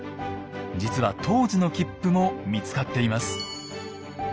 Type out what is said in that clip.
実は当時の切符も見つかっています。